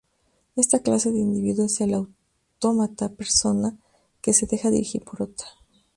Esta clase de individuo es el autómata, persona que se deja dirigir por otra.